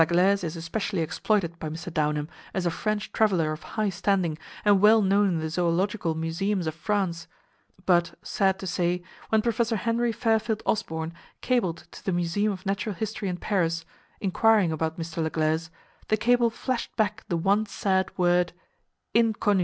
Laglaize is especially exploited by Mr. Downham, as a French traveler of high standing, and well known in the zoological museums of France; but, sad to say, when Prof. Henry Fairfield Osborn cabled to the Museum of Natural History in Paris, inquiring about Mr. Laglaize, the cable flashed back the one sad word; "Inconnu!"